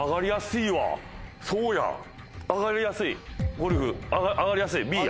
ゴルフ上がりやすいＢや。